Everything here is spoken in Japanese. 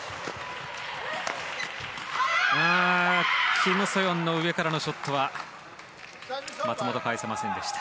キム・ソヨンの上からのショット松本、返せませんでした。